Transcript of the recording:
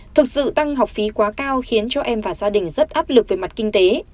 thực sự tăng học phí quá cao khiến cho em và gia đình rất áp lực về mặt kinh tế